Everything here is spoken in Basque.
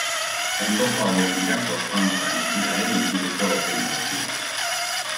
Ondoko hauek dira Konstantza aintziraren inguruko herri nagusiak.